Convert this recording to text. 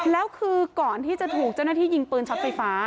แล้วคือก่อนที่จะถูกเจ้าหน้าที่ยิงปืนช็อตไฟฟ้า